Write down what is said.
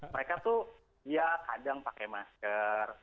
mereka tuh ya kadang pakai masker